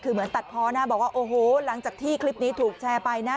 คือเหมือนตัดพอนะบอกว่าโอ้โหหลังจากที่คลิปนี้ถูกแชร์ไปนะ